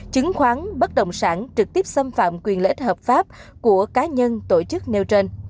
chứng khoán bất động sản trực tiếp xâm phạm quyền lợi ích hợp pháp của cá nhân tổ chức nêu trên